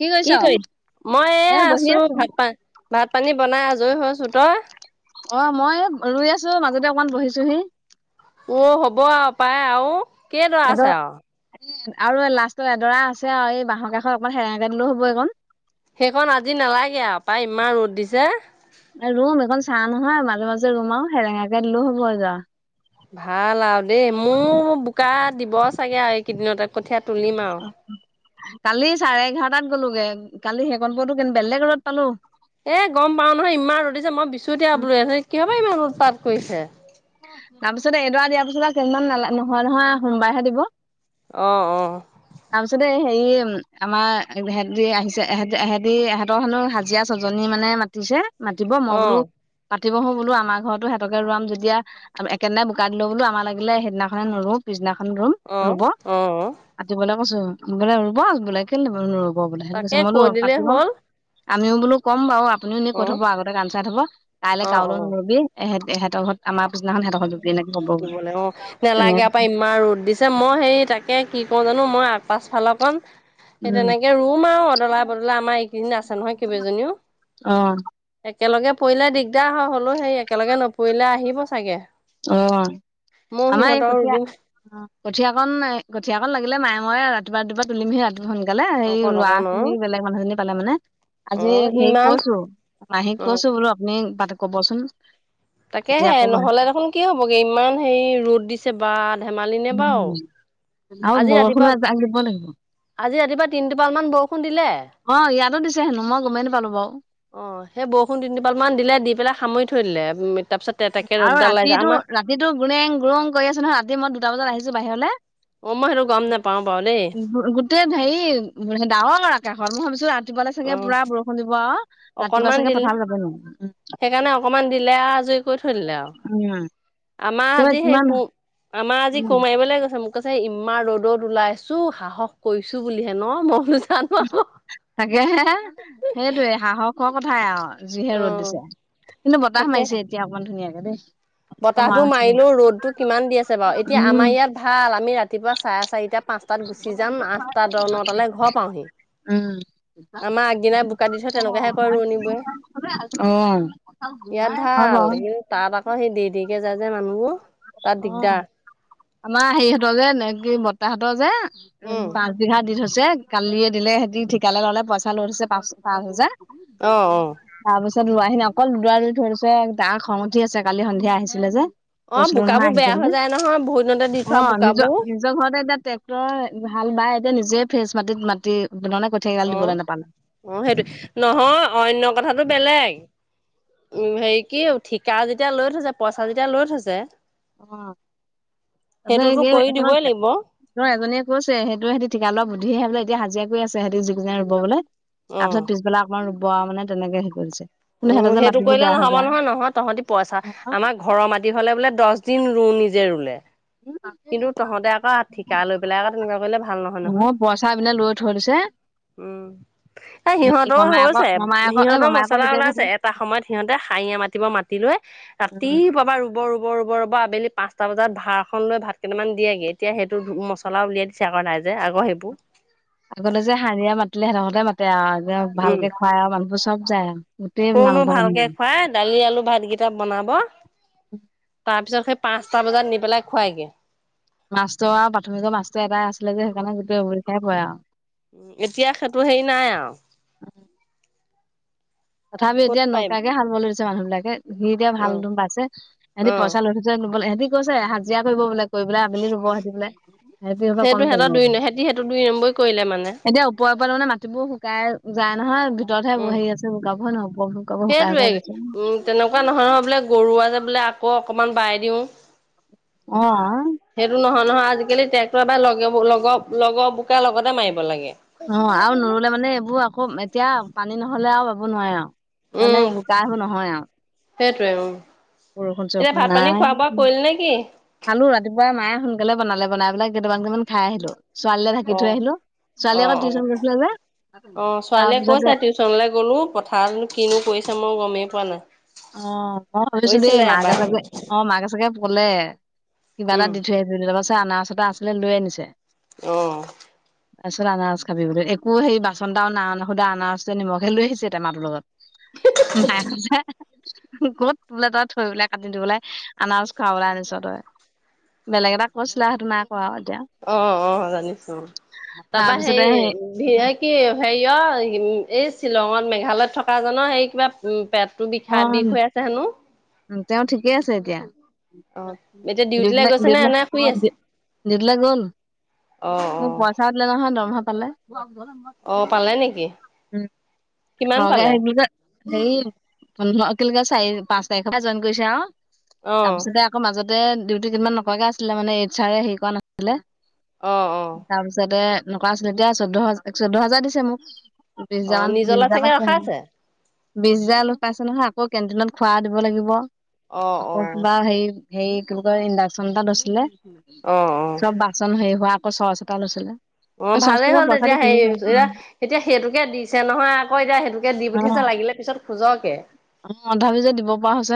কি কৰিছা? মই এ আছো। ভাত পানী, ভাত পানী বনাই আজৰি হৈছো। তই? অ' মই ৰোই আছোঁ মাজতে অকমান বহিছোহি। অ' হ'ব আৰু পায় আৰু কেই দৰা আছে এডৰা আৰু আৰু লাষ্টত এডৰা আছে আৰু এই বাঁহৰ কাষৰ অকমান হেৰেঙকে দিলেও হ'ব এইকণ সেইখন আজি নালাগে আৰু পায় ইমান ৰ'দ দিছে। ৰুম যে ইয়াত লো হ'ব যাৰ। ভাল আৰু দেই মোৰ বোকা দিব চাগে আৰু এইকেইদিনতে কঠিয়াত তুলিম আও কালি চাৰে এঘাৰটাত গ'লো গে কালি সেকনপতো বেলেগ ৰ'দত পালোঁ। এ গম পাও নহয় ইমান ৰুধিছে মই বিচুতিয়া বোলো কিহৰ পৰা ইমান উৎপাত কৰিছে। তাৰপিছত এইডৰা দিয়াৰ পিছত আৰু কেইদিনমান নালা নহয় নহয় সোমবাৰেহে দিব। অ অ। কি আমাৰহেতি আহিছে এহেঁতি এহঁতৰ হেনো হাজিৰা ছজনী মানে মাতিছে! মাতিব মই অ বোলো পাতিবহো বোলো আমাৰ ঘৰতো সিহঁতকে ৰুৱাম যেতিয়া আৰু একেদিনাই বোকাত দিলো বোলো আমাৰ লাগিলে সেইদিনাখনে নুৰু পিছদিনা খন ৰুম অ ৰুব অ আতিবলৈ কৈছো বোলে ৰুব বোলে কেলে নুৰুব নু হ'ব বোলে, সেইটো তাকে কৈছে মই বোলো কৈ উৎপাত দিলেই কিহৰ? হ'ল আমিও বোলো ক'ম বাৰু, আপুনিও এনে কৈ অ থ'ব আগতে কাম চাই থ'ব। কাইলৈ কাওলৈ ন'লবি এহে- এহেতৰ ঘৰত আমাৰ পিছদিনাখন সিহঁতৰ ঘৰত ৰুবি এনেকে ক'ব বোলো দিবলে, অ, তেনেকে নেলাগে কৈছে পাই ইমান ৰ'দ দিছে, মই হে তাকে কি কও জানো, মই আগ-পাছফালৰকণ সেই উম তেনেকে ৰুম আৰু অদলা-বদলা, আমাৰ এইকেইদিন আছে নহয় কেইবাজনীও। অ। একেলগে পৰিলে দিগদাৰ হয়, হ'লও সেই একেলগে নপৰিলে আহিব চাগে। আহ। ময়ো আমাৰ এই সিহঁতৰো দিম কঠীয়া-কঠিয়াকন কঠিয়াকন লাগিলে মায়ে ময়ে ৰাতিপুৱা ৰাতিপা তুলিমহি ৰাতি। সোনকালে এই অকণ ৰোৱা অকণ অ খিনি বেলেগ মানুহ খিনি পালে মানে অ আজি হেৰি ইমান কৈছো, মাহীক অ কৈছো বোলো আপুনি ক'বচোন। আজি তাকেহে আকৌ নহলে দেখোন কি হ'বগে ইমান হেৰি ৰ'দ দিছে বা। ধেমালি নে বাও! আৰু বৰষুণ ও এজাক আহিব লাগিব। আজি ৰাতিপুৱা তিনি টোপাল মান বৰষুণ দিলে। অ ইয়াতো দিছে হেনো মই গমেই নাপালো বাৰু। অ, সেই বৰষুণ তিন টোপাল মান দিলে, দি পেলাই সামৰি থৈ দিলে। মি আৰু ৰাতিটো-ৰাতিটো গুনেং-গুৰুং কৰি আছে নহয়, ৰাতি মই দুটা বজাত আহিছো বাহিৰলে। অ মই সেইটো গম নোপাও বাৰু দেই গো-গোটেই হেৰি ডাৱৰ আকাশত মই ভাবিছো ৰাতিপুৱালে অ চাগে পুৰা বৰষুণ দিব আৰু ৰাতিপুৱা অকনমান চাগে দিলে পথাৰলে যাব নোৱাৰিম। সেইকাৰণে অকনমান দিলে আৰু আজৰি কৰি থৈ দিলে আৰু উম, আমাৰ কিবা আজি সেই কিমান কো আমাৰ আজি উম কোৰ মাৰিবলে গৈছে মোক কৈছে ইমান ৰ'দত ওলাইছো সাহস কৰিছো বুলিহে ন? মই বোলো জানো আক'। সেইটোয়ে সাহসৰ কথাই আৰু। যিহে অ ৰ'দ দিছে। কিন্তু বতাহ তাকে মাৰিছে এতিয়া অকণমান ধুনীয়াকে দেই। বা মৰা বতাহটো নাছিলে মাৰিলেও ৰ'দটো কিমান দি আছে বাৰু? এতিয়া উম আমাৰ ইয়াত ভাল আমি ৰা তিপুৱা চাৰে চাৰিটা-পাঁচটাত গুচি যাম আঠটা, দহ, নটালে ঘৰ পাওঁহি। উম, আমাৰ আগদিনাই বোকা দি থয় তেনেকুৱাহে কয় ৰোৱনীবোৰে অহ। ইয়াত ভাল কিন্তু তাত আকৌ সেই দেৰি-দেৰিকে যায় যে মানুহবোৰ। তাত অ, দিগদাৰ আমাৰ হেৰিহঁতৰ যে নে কি বত্তা হঁতৰ যে উম, পাঁচ বিঘা দি থৈছে, কালিয়ে দিলে সিহঁতি ঠিকালে ল'লে, পইচা লৈ থৈছে পাঁচ-পাঁচ হাজাৰ। অ অ তাৰ পিছ ত লোৱাহি নাই অকল [unintelligible] ধৰিছে। তাৰ খং উঠি আছে কালি সন্ধিয়া আহিছিলে যে। অ বু কৈছিলো নহয় আহিছে বুলি। অ, বোকাবোৰ নিজৰ-নিজৰ ঘৰতে এতিয়া ট্ৰেক্টৰ হাল বাই এতিয়া নিজে ফ্ৰেচ মাটিত মাটি মানে কঠীয়া কেইডাল অঁ দিবলৈ নাপালে অঁ, সেইটোৱে। নহয় অন্য কথাটো বেলেগ। উম, হেৰি কি ঠিকা যেতিয়া লৈ থৈছে পইচা যেতিয়া লৈ থৈছে অ,। সেইটোতো তপছত কৰি দিবই [unintelligible] লাগিব এজনীয়ে কৈছে সেইটো সিহতি ঠিকা লোৱা বুদ্ধি হে বোলে এতিয়া হাজিৰা আছে সিহঁতি যিকেইটা ৰুব বুলে, অ তাৰ পিছত পিছবেলা অকণমান ৰুব আও মানে তেনেকে হেৰি কৰিছে। কিন্তু সিহঁতৰ উম, যে সেইটো মাটিবোৰ কৰিলে বেয়া হৈ নহ'ব যায় নহয়। নহয় তহঁতি পইচা, আমাৰ ঘৰৰ মাটি হ'লে বোলে দছ [unintelligible] ৰুম নিজে ৰুলে। কিন্তু তহঁতে আকৌ ঠিকা লৈ পেলাই আকৌ তেনেকুৱা কৰিলে ভাল নহয় নহয়। মোৰ পইচা পিনে লৈ থৈ দিছে উম, এ হেৰি সিহঁতৰ মমায়েকৰ হৈছে মমায়েকৰ এই সিহঁতৰ মমায়েকৰ মছলা পিতেক হেনো ওলাইছে এটা সময়ত সিহঁতে খাই এয়া মাতিব মাতিলৈ, উম ৰাতিপুৱা পৰা ৰুব-ৰুব ৰুব, ৰুব, ৰুব, আবেলি পাঁচটা বজাত ভাৰ খন লৈ ভাত কেইটামান দিয়েগে, এতিয়া সেইটো মছলা উলিয়াই দিছে আকৌ তাই যে আকৌ সেইবোৰ। আগতে যে হাৰিয়া মাতিলে সিহঁতৰ ঘৰতে মাতে আও ভালকে খুৱাই আৰু মানুহবোৰ চব যায় আৰু গোটেই কনো নামঘৰ ভালকে যায়। খুৱাই দালি আলু ভাতকেইটা তাৰ বনাব পিছত সেই পাঁচটা বজাত নি পেলাই খুৱাইগে। মাছটো আৰু প্ৰাথমিকৰ মাছটো এটাই আছিলে যে সেইকাৰণে গোটেই [unintelligible] পৰে আৰু। উ এতিয়া সেইটো হেৰি নাই আৰু। তথাপিও ক'ত এতিয়া পাৰিম নৌকোৱাকে হাল [unintelligible] মানুহ বিলাকে। সি এতিয়া অ ভাল তম পাইছে সিহঁতি অ পইচা লৈ থৈছে নবলে সিহতি কৈছে হাজিৰা কৰিব বোলে। কৰি পেলাই আবেলি ৰুব সেতি বোলে। সিহতি আক সেইটো কম সিহঁতৰ টেঙৰ দুই ন, সিহঁতি সেইটো দুই নম্বৰী কৰিলে মানে [inaudible] এতিয়া ওপৰত মানে মাটিবোৰ শুকাই যায় নহয়। ভিতৰত হে উম ব হে আছে বোকা বো হয় নহ'ব। সেইটোৱে উম তেনেকুৱা নহয় নহয় বোলে গৰু আছে যে বোলে আকৌ অকমান বাই দিওঁ। আহ নহ আজিকালি ট্ৰেক্টৰ বা লগ লগৰ লগৰ বোকাৰ লগতে মাৰিব লাগে। অ আৰু নোৰুলে মানে এইবোৰ আকৌ এতিয়া পানী নহলে আৰু বাব নোৱাৰে আও মানে উম বোকা বোৰ নহয় আও। সেইটোৱে উম বৰষুণ এতিয়া চৰষুণ ভাত পানী নাই খোৱা বোৱা কৰিল নে কি খালো ৰাতিপুৱাই মায় সোনকালে বনালে বনাই পেলাক কেইটামান কেইমান খাই আহিলো। ছোৱালীলৈ ঢাকি অ থৈ আহিলো। ছোৱালী অ আকৌ 'অ টিউচন গৈছিলে যে 'অ' ছোৱালীয়ে তাৰপিছতে কৈছে টিউশ্যলে গলো পথাৰ নো কিনো কৰিছে ম মই গমে পোৱা নাই অ মই ভাবিছো দেই কৈছিলে মাকে এবাৰ চাগে অ মাকে চাগে কলে কিবা এটা উম দি থৈ আহছিলো তাপা আনাৰচ এটা আছিলে লৈ আনিছে। আহ তাৰপিছত আনাৰচ খাবি বোলোঁ, একো সেই বাচন এটা নাই অনা আনাৰসটো, নিমখে লৈ আহিছে, টেমাটোৰ লগত। [unintelligible] ক'ত বোলে তই থৈ পেলাই কাটি দি পেলাই আনাৰস খুৱাবলৈ আনিছ তই। বেলেগ এটা কৈছিলা সেইটো‌ নাই। কোৱা আৰু এতিয়া অ', অ', জানিছোঁ। তাপা তাৰপিছতে হেই হেৰি কি হেৰি অ', এই শ্বিলঙত, মেঘালয়ত থকা জনৰ হেই কিবা উম, পেটটো বিষাই বিষ হৈ আছে হেনোঁ? উ, তেওঁ ঠিকে আছে এতিয়া। এতিয়া ডিউটিলৈ ডিউটিলে‌, গৈছে নে ডিউটিলে‌, এনে শুই আছে ডি-ডিউটিলে‌ গ'ল? অ অ মোক পইচা দিলে নহয়, দৰমহা পালে। অ পালে নেকি উম, কিমান পালে [unintelligible] হেয়ি [unintelligible] চাৰি, পাঁচ তাৰিখৰ পৰা জইন কৰিছে আৰু, অ তাৰপিছতে আকৌ মাজত ডিউটি কেইদিনমান নকৰাকে আছিলে মানে, এইছাৰে হেৰি কৰা নাছিলে, অ অ তাৰপিছতে নকৰা আছিলে এতিয়া চৈধ্যহাজৰ, চৈধ্য হাজাৰ দিছে মোক, ত্ৰিছ অ হাজাৰ মান, বিচ নিজলা হাজাৰ চাগে মান [unintelligible] ৰখাইছে বিচ হাজাৰলৈ পাইছে নহয় আকৌ কেণ্টিনত খোৱা দিব লাগিব, অ অ আকৌ কিবা হেৰি হেৰি কি বুলি কয়, ইণ্ডাকচন এটা লৈছিলে অ অ চব বাচন হেৰি হোৱা আকৌ চৰ্চ এটা লৈছিলে। অ', চচটো ভালেই মই হ'ল, পইচা তেতিয়া দি হেই কিনিছো এয়া, এতিয়া সেইটোকে দিছে নহয় আকৌ, এতিয়া সেইটোকে দি অ পঠিয়াইছে লাগিলে পিছত খোজক অ', [unintelligible] দিব পৰা হৈছ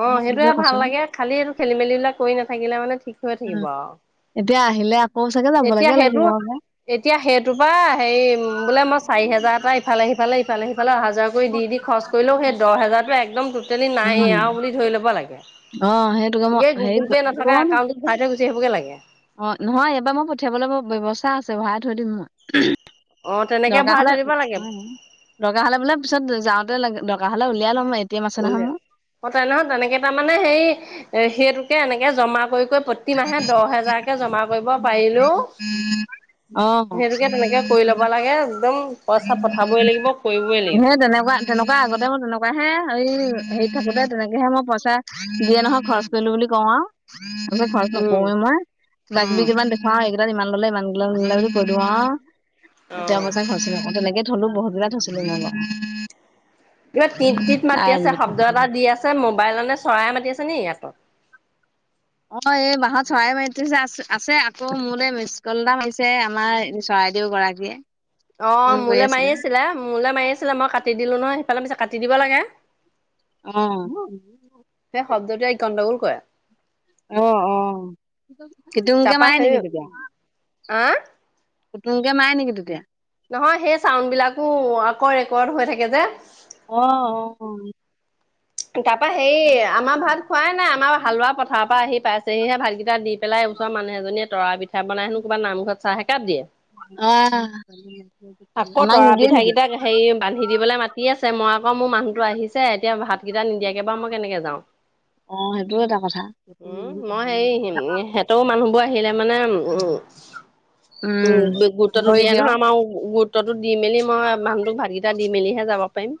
অ', সেইটোয়ে ভাল লাগে খালি এইটো খেলি মেলিবিলাক কৰি নাথাকিলে মানে ঠিক হৈ থাকিব উম আৰু। এতিয়া আহিলে আকৌ চাগে এতিয়া যাবলেকে সেইটো, লাগিব আকৌ এতিয়া সেইটোৰ পা হেয়ি বোলে মই চাৰি হেজাৰটা ইফালে সিফালে ইফালে সিফালে ইফালে হাজাৰ কৰি দি দি খৰচ কৰিলেও সেই দহ হেজাৰতো একদম টোটেলি নাই উম আৰু বুলি ধৰি ল'ব লাগে, অ সেইটোকে মই গে হেৰি গুগুল পে নথকা কোৱা ন একাউণ্টত ভৰাইথৈ গুচি আহিবগে লাগে। অ', নহয় এইবাৰ মই পঠিয়াবলৈ ব্যৱস্থা আছে ভৰাই থৈ দিম মই। অ' তেনেকে দৰকাৰ ভৰাই হলে থৈ দিব লাগে অ', দৰকাৰ হলে বোলে পিছত যাওঁতে লা দৰকা হ'লে উলিয়াই লম টি এম আছে নহয় উলিয়াই মোৰ অ', তেনেহ তেনেকে তাৰমানানে হেই এ সেইটোকে এনেকে জমা কৰি কৈ প্ৰতিমাহে দহ হেজাৰকে জমা কৰিব পাৰিলেও অ সেইটোকে তেনেকে কৰি ল'বা লাগে, একদম পইচা পঠাবই লাগিব কৰিবই লাগিব। সেই তেনেকুৱা তেনেকুৱা আগতে মোৰ তেনেকুৱা হে এই হেৰি থাকোতে তেনেকেহে মই পইচা দিয়ে নহয় খৰচ কৰিলো বুলি কওঁ আও। খৰচ উম, নকৰোঁৱে মই কিবা কিবি কিমান দেখাওঁ ইমান ললে ইমান গলে নলে বুলি কৈ দিওঁ আওঁ [unintelligible] অ'। তেনেকে থলো বহুত দিনা থৈছিলোঁ কিবা টিপ টিপ মাতি আছে শব্দ এটা দি আছে মোবাইল নে চৰাই মাতি আছে নি আকৌ। অ', এই বাঁহত চৰাই মাৰিছে আছে আকৌ মোৰলে মিচকল এটা মাৰিছে আমাৰ চৰাই। বাইদেউ গৰাকীয়ে। ফোন অ', কৰি মোলৈ মাৰি আছিলে মোলৈ মাৰি আছিলে মই কাটি দিলোঁ নহয়। ফালে মিছা কাটি দিব লাগে। সেই অ', শব্দটোৱে গণ্ডগোল কৰে। অ', অ', কিতুংকে মাৰে নেকি তেতিয়া? আ, কুতুংকে মাৰে নেকি তেতিয়া? নহয় সেই চাউণ্ড বিলাকো আকৌ ৰেকৰ্ড হৈ থাকে যে। অ', অ', অ', তাৰপৰা হেৰি আমাৰ ভাত খোৱাই নাই, আমাৰ হালোৱা পথাৰৰ পৰা আহি পাইছেহিহে ভাতকেইটা দি পেলাই ওচৰ মানু্হ এজনীয়ে তৰা পিঠা বনাইহেনো ক'বাত নামঘৰত চাহ একাপ দিয়ে। অ', আকৌ আমাক তৰা নিদিয়ে পিঠা নেকি? কেইটাক হেৰি বান্ধি দিবলৈ মাতি আছে মই মোৰ মানুহতো আহিছে এতিয়া ভাতকেইটা নিদিয়াকে বাৰু মই কেনেকে যাওঁ। সেইটো এটা কথা। উম, মই হেৰি সিহঁতৰ মানুহবোৰ আহিলে মানে উম, উম, গুৰুত্বটো কৰি দিয়ে নহয় দিয়ক আমাৰ গুৰুত্বটো দি মেলি মই মানুহটোক ভাতকেইটা দি মেলিহে যাব পাৰিম।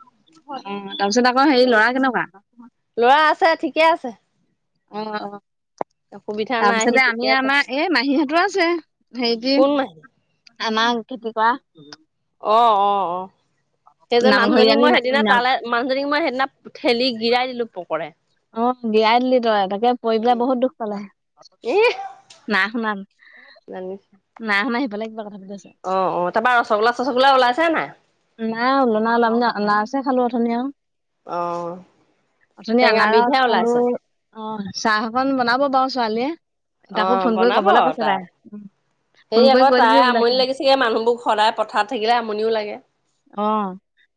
অ', তাৰ পিছত আকৌ হেৰি সেইকাৰণে লৰা কেনেকুৱা? লৰা আছে ঠিকে আছে। অ', অ', অসুবিধা নাই সি তাৰপিছতে ঠিকে আমি আছে আমাৰ এই মাহীহঁতৰ আছে হেৰি কি কোন মাহী আমাৰ খেতি কৰা অ', অ', অ', সেই যে মানুহজনীক নামঘৰীয়ানী মই সেদিনা নাম তালে মানুহজনীক মই সেইদিনা ঠেলি গিৰাই দিলোঁ পকৰে অ', বিয়াই দিলি তই তাকে পৰি পেলাই উম বহুত দুখ পালে। এ না না আনিছোঁ। বেলেগ এটা কথা অ', অ', তাৰ পৰা ৰসগোল্লা চচগোল্লা ওলাইছে নাই? নাই ওলোৱা, নাই ওলোৱা আমি আৰু আনাৰস হে খালোঁ উঠনি আওঁ। অ উঠনি টেঙা আনাৰস বিধহে ওলাইছে খালোঁ অ' চাহ অকন বনাব বাৰু ছোৱালীয়ে তাকো ফোন কৰি কবলৈ কৈছে তাই। সে ফোন কৰি আকৌ কৈ দিবি তাই বোলে আমনি চাহ লাগিছেগে মানুহবোৰ সদায় পথাৰত থাকিলে আমনিও লাগে। অ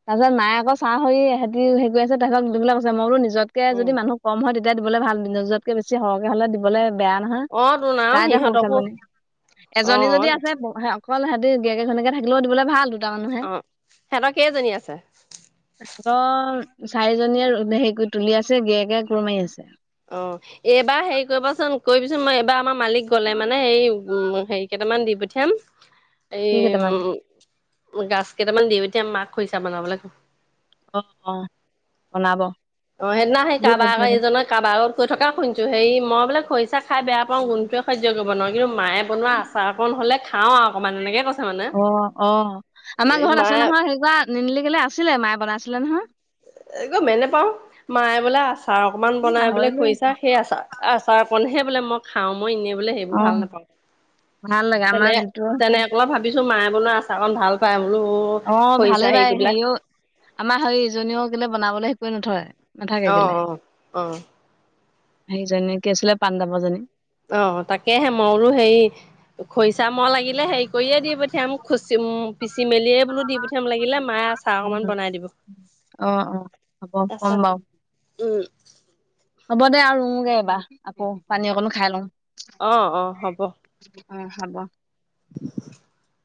তাৰপিছত মায়ে আকৌ সৰি সহতি হেৰি কৰি আছে তাহক দুবিলাক কৈছে মইয়ো নিজ যতকে যদি মানুহ কম হয় তেতিয়া দিবলৈ ভাল নজ যতকেছি সৰহকে হ'লে দিবলৈ বেয়া নহয় অ তোন আৰু তাই এতিয়া সিহঁতকো সৰুছোৱালীজনী অ এজনী যদি আছে অকল সিহঁতি দিয়াকেইজনলৈকে থাকিলেও দিবলৈ ভাল দুটা মানুহে অ সিহঁতৰ কেইজনী আছে? তহঁতৰ চাৰিজনীয়ে হেৰি কৰি তুলি আছে গেৰীয়েকে কোৰ মাৰি আছে। অঁ এইবাৰ হেৰি কৰিবাচোন কৰিবিচোন মই এইবাৰ আমাৰ মালিক গ'লে মানে হেই হেৰি কেইটামান দি পঠিয়াম কি কেইটামান এই গাছ কেইটামান দি পঠিয়াম মাক খৰিছা বনাবলে অঁ', অঁ', বনাব। অ সেইদিনা সেই কাৰোাৰ [unintelligible] আগ এইজননৰ কাৰোবাৰ আগত কৈ থকা শুনিছো হেই মই বোলে খাই খৰিচা বেয়া পাওঁ গুণটোৱে সহ্য কৰিব নোৱাৰো কিন্তু মায়ে বনোৱা আচাৰ অকণ হলে খাওঁ আৰু অকণমান এনেকে কৈছো অ', অ', আমাৰ ঘৰত আছে মায়ে নহয় হেইকৰা নিনিলিকেলে আছিলে মায়ে বনাইছিলে নহয়। এক মেনে পাও মায়ে বোলে আচাৰ অকমান এ বনাই বোলে পাহৰিলো খৰিছা সেই আচাৰ চাহ পণহেই [unintelligible] [unintelligible] বোলে মই খাওঁ মই এনে বোলে সেইবোৰ অ ভাল নাপাওঁ ভাল লাগে আমাৰ তেনে যিটো তেনে অকলপ [unintelligible] ভাবিছো মাই বনোৱা আচাৰকন ভাল পায় অ ভালেই পাই হেৰিও আমাৰ হৈ ইজনীও কেলে বনাবলৈ হেই কৰি নথয়। নাথাকে অ কেলে অ অ। সেইজনী কি আছিলে পাণ্ডৱৰ জনী। অ', তাকেহে মই বোলো হেৰি খৰিচা মই লাগিলে হেৰি কৰিয়ে দি পঠিয়াম খুচিম উম পিচি মেলিয়ে বোলো দি পঠি য়াম লাগিলে মায়ে আচাৰ অকমান উম বনাই দিব। অ অ হ'ব কম আচাৰ বাৰু উম হ'ব দে আৰু ৰুওঁগে এবাৰ আকৌ পানী অকণো খাই লওঁ। অ অ, হ'ব। উম হব। [inaudible]